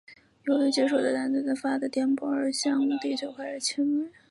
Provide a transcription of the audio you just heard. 由于接受到丹顿的发的电波而向地球开始侵略。